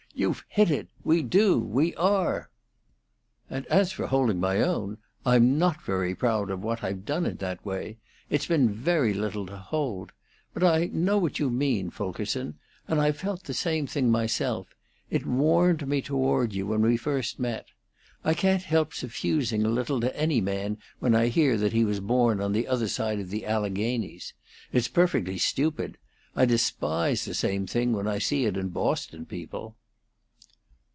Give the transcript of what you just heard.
"You've hit it! We do! We are!" "And as for holding my own, I'm not very proud of what I've done in that way; it's been very little to hold. But I know what you mean, Fulkerson, and I've felt the same thing myself; it warmed me toward you when we first met. I can't help suffusing a little to any man when I hear that he was born on the other side of the Alleghanies. It's perfectly stupid. I despise the same thing when I see it in Boston people."